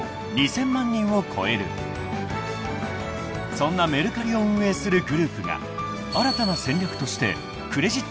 ［そんな「メルカリ」を運営するグループが新たな戦略としてクレジットカード事業に参入］